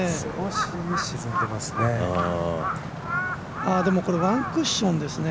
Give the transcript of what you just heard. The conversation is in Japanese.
少し沈んでますね。